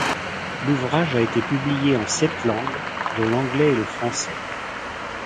L'ouvrage a été publié en sept langues dont l'anglais et le français.